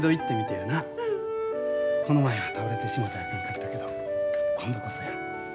この前は倒れてしもてあかんかったけど今度こそや。